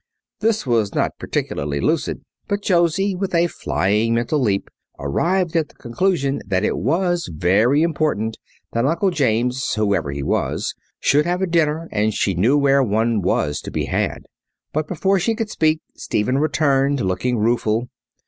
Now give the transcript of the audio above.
This was not particularly lucid, but Josie, with a flying mental leap, arrived at the conclusion that it was very important that Uncle James, whoever he was, should have a dinner, and she knew where one was to be had. But before she could speak Stephen returned, looking rueful.